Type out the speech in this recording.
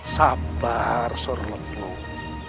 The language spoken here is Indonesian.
sabar suruh rumbuh